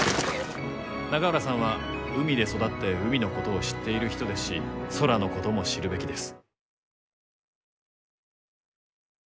永浦さんは海で育って海のことを知っている人ですし空のことも知るべきです。